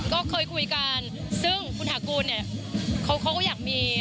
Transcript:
ก็เคยคุยกันซึ่งคุณฐากูลเนี่ยเขาก็อยากมี